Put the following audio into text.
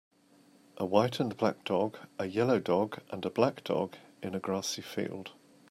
A white and black dog, a yellow dog and a black dog in a grassy field.